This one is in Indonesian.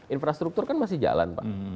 infrastruktur kan masih jalan pak